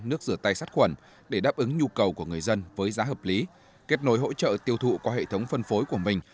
nước rửa tay sát khuẩn để đáp ứng nhu cầu của người dân với giá hợp lý kết nối hỗ trợ tiêu thụ qua hệ thống phân phối của mình